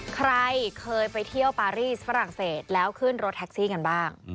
ใครเคยไปเที่ยวปารีสฝรั่งเศสแล้วขึ้นรถแท็กซี่กันบ้าง